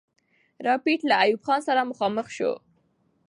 رایپټ له ایوب خان سره مخامخ سو.